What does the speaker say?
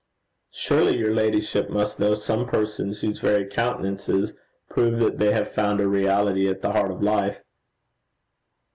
'Surely your ladyship must know some persons whose very countenances prove that they have found a reality at the heart of life.'